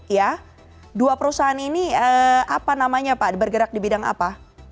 ya dua perusahaan ini apa namanya pak bergerak di bidang apa